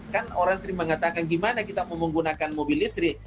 kan orang sering mengatakan gimana kita mau menggunakan mobil listrik